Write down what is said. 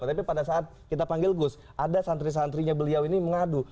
tapi pada saat kita panggil gus ada santri santrinya beliau ini mengadu